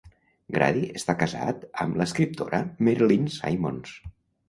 Grady està casat amb l'escriptora Merilyn Simonds.